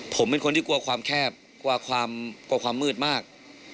ผมเป็นคนที่กลัวความแคบกลัวความมืดมาก